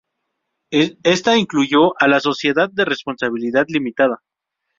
Ésta incluyó a la Sociedad de Responsabilidad Limitada.